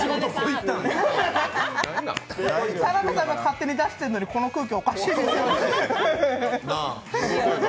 田辺さんが勝手に出してるのにこの空気おかしいですよね。